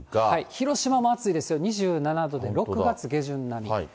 広島も暑いですよ、２７度で６月下旬並み。